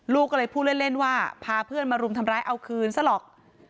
ลูกก็เลยพูดเล่นว่าพาเพื่อนมารุมทำร้ายเอาคืนซะหรอก